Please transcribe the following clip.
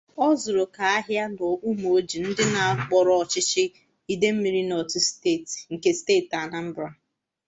Ọ zụrụ ka ahịa n'Ụmụoji dị n'okpuru ọchịchị 'Idemili North' nke steeti Anambra